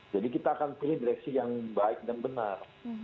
jadi kita akan pilih direksi yang baik dan benar